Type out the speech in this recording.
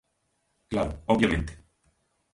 Claro, obviamente.